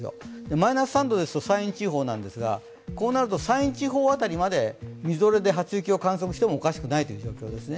マイナス３度ですと山陰地方なんですが、こうなると山陰地方辺りまでみぞれを観測してもおかしくないんですね。